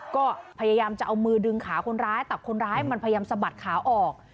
ก็พยายามจะเอามือดึงขาคนร้ายแต่คนร้ายมันพยายามสะบัดขาออก